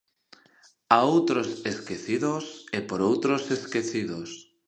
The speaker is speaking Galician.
A outros esquecidos, e por outros esquecidos.